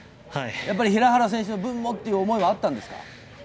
平原選手の分もっていう思いはあったんですか？